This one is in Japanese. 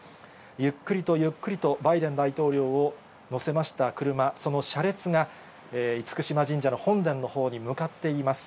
ゆっくりとゆっくりとバイデン大統領を乗せました車、その車列が厳島神社の本殿のほうに向かっています。